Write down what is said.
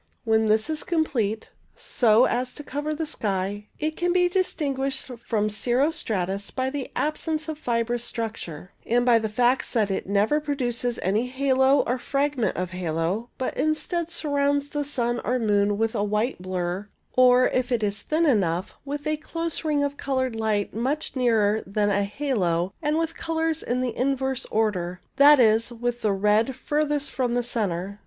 When this is complete, so as to cover the sky, it can be distinguished from cirro stratus by the absence of fibrous structure, and by the facts that it never produces any halo or fragment of a halo, but instead surrounds the sun or moon with a white blur, or, if CORONA 63 it is thin enough, with a close ring of coloured light much nearer than a halo, and with the colours in the inverse order — that is, with the red furthest from the centre.